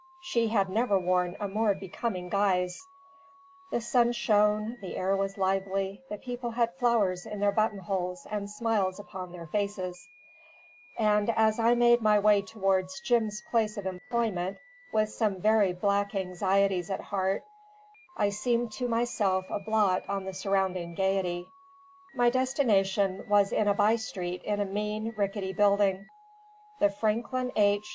She had never worn a more becoming guise; the sun shone, the air was lively, the people had flowers in their button holes and smiles upon their faces; and as I made my way towards Jim's place of employment, with some very black anxieties at heart, I seemed to myself a blot on the surrounding gaiety. My destination was in a by street in a mean, rickety building; "The Franklin H.